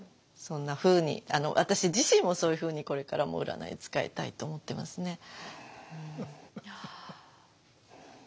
そんなふうに私自身もそういうふうにこれからも占い使いたいと思ってますね。